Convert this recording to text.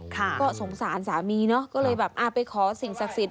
ก็สงสารสามีเนอะก็เลยแบบไปขอสิ่งศักดิ์สิทธ